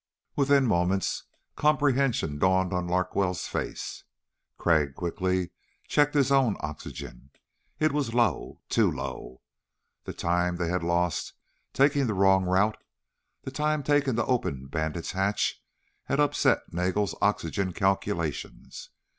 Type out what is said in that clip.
Within moments comprehension dawned on Larkwell's face. Crag quickly checked his own oxygen. It was low. Too low. The time they had lost taking the wrong route ... the time taken to open Bandit's hatch ... had upset Nagel's oxygen calculations.